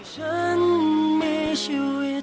ฉันมีชีวิต